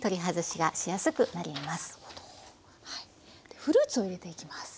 でフルーツを入れていきます。